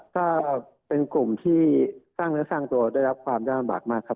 ก็เป็นกลุ่มที่สร้างเนื้อสร้างตัวได้รับความยากลำบากมากครับ